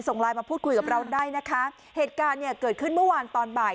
ไลน์มาพูดคุยกับเราได้นะคะเหตุการณ์เนี่ยเกิดขึ้นเมื่อวานตอนบ่าย